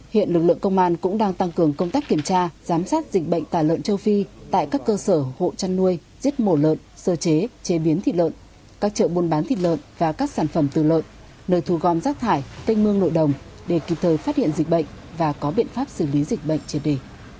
hiện lực lượng công an cũng đang tăng cường công tác kiểm tra giám sát dịch bệnh tà lợn châu phi tại các cơ sở hộ chăn nuôi giết mổ lợn sơ chế chế biến thịt lợn các chợ buôn bán thịt lợn và các sản phẩm từ lợn nơi thu gom rác thải canh mương nội đồng để kịp thời phát hiện dịch bệnh và có biện pháp xử lý dịch bệnh triệt đề